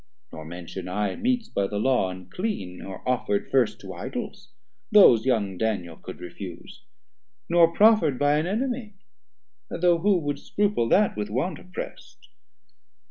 nor mention I Meats by the Law unclean, or offer'd first To Idols, those young Daniel could refuse; Nor proffer'd by an Enemy, though who 330 Would scruple that, with want opprest?